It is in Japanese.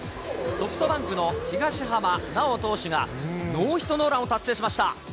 ソフトバンクの東浜巨投手がノーヒットノーランを達成しました。